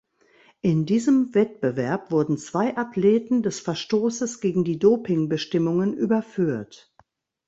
In diesem Wettbewerb wurden zwei Athleten des Verstoßes gegen die Dopingbestimmungen überführt.